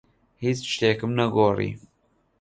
هیچ شتێکم نەگۆڕی.